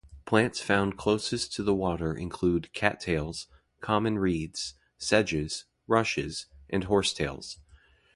Plants found closest to the water include cattails, common reeds, sedges, rushes, and horsetails.